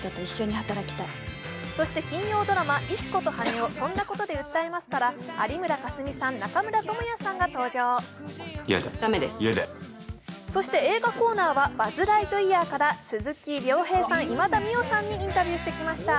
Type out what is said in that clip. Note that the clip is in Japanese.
そして金曜ドラマ「石子と羽男」、有村架純さん、中村倫也さんが登場そして映画コーナーは「バズ・ライトイヤー」から鈴木亮平さん、今田美桜さんにインタビューしてきました。